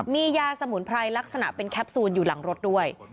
มียาสมุนไพรลักษณะเป็นแคปซูลอยู่หลังรถด้วย